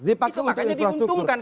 dipakai untuk infrastruktur